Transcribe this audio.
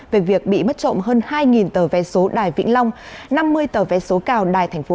về việc bị mất trộm hơn hai tờ vé số đài vĩnh long năm mươi tờ vé số cao đài tp hcm